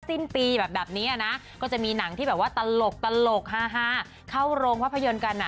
สิ้นปีแบบนี้นะก็จะมีหนังที่แบบว่าตลกฮาเข้าโรงภาพยนตร์กันอ่ะ